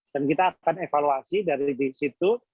dan kita akan evaluasi dari disitu